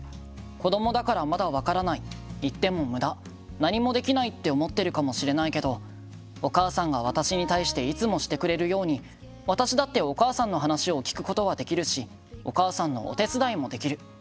子どもだから、まだ分からない言ってもむだ、何もできないって思ってるかもしれないけどお母さんが私に対していつもしてくれるように私だってお母さんの話を聞くことはできるしお母さんのお手伝いもできる。